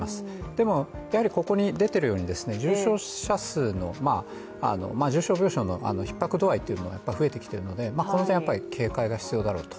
でもやはりここに出ているように、重症病床のひっ迫度合いというのも増えてきているので、この点はやはり警戒が必要だろうと。